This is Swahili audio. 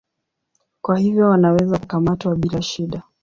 Kwa hivyo wanaweza kukamatwa bila shida.